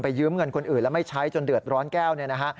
ยืมเงินคนอื่นแล้วไม่ใช้จนเดือดร้อนแก้วเนี่ยนะฮะ